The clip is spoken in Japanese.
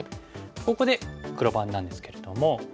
ここで黒番なんですけれども。